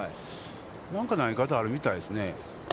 なんか投げ方あるみたいですね。